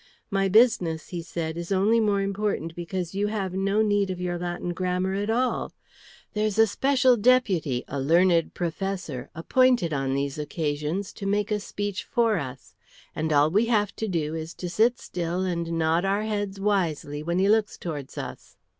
"My business," he said, "is only more important because you have no need of your Latin grammar at all. There's a special deputy, a learned professor, appointed on these occasions to make a speech for us, and all we have to do is to sit still and nod our heads wisely when he looks towards us."